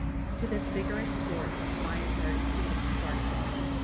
To this vigorous sport the Hawaiians are exceedingly partial.